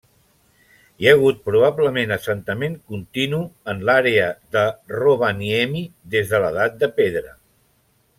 Hi ha hagut probablement assentament continu en l'àrea de Rovaniemi des de l'edat de pedra.